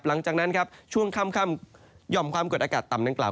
หลังจากนั้นครับช่วงค่ำหย่อมความกดอากาศต่ำดังกล่าว